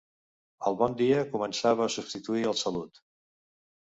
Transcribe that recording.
El «bon dia» començava a substituir el «salut».